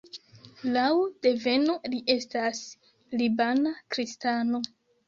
Laŭ deveno li estas libana kristano.